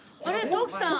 徳さん